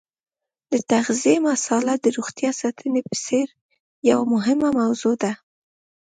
د تغذیې مساله د روغتیا ساتنې په څېر یوه مهمه موضوع ده.